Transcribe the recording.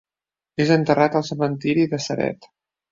És enterrat al cementeri de Ceret.